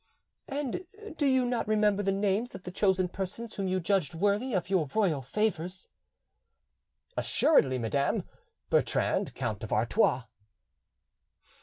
"And do you not remember the names of the chosen persons whom you judged worthy of your royal favours?" "Assuredly, madam: Bertrand, Count of Artois."